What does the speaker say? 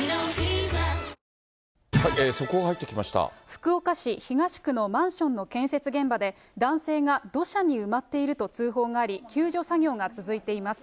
福岡市東区のマンションの建設現場で、男性が土砂に埋まっていると通報があり、救助作業が続いています。